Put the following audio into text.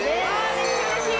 めっちゃ嬉しい！